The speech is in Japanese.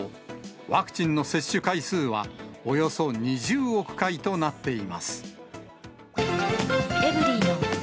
ワクチンの接種回数は、およそ２０億回となっています。